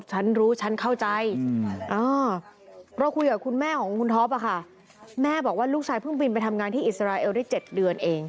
ฉันรู้ฉันเข้าใจเราคุยกับคุณแม่ของคุณท็อปค่ะแม่บอกว่าลูกชายเพิ่งบินไปทำงานที่อิสราเอลได้๗เดือนเอง